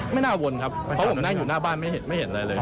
ไม่น่าวนครับเพราะผมนั่งอยู่หน้าบ้านไม่เห็นอะไรเลย